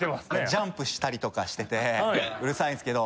ジャンプしたりとかしててうるさいんすけど。